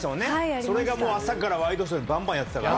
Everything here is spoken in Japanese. それがもう朝からワイドショーでばんばんやってたから。